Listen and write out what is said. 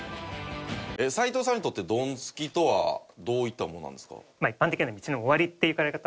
齋藤さんにとってドンツキとはどういったものなんですか？